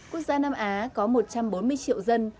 quốc gia nam á có một trăm bốn mươi triệu dân